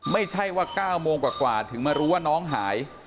ไม่ใช่ว่า๙โมงกว่าถึงมารู้ว่าน้องหาย